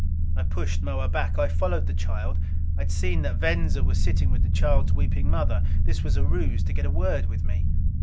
I pushed Moa back. I followed the child. I had seen that Venza was sitting with the child's weeping mother. This was a ruse to get a word with me.